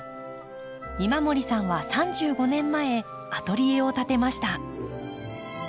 今森さんは３５年前アトリエを建てました。